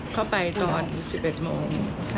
เข้าไปตอน๑๑โมง